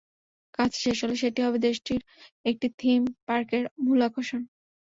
কাজটি শেষ হলে সেটি হবে দেশটির একটি থিম পার্কের মূল আকর্ষণ।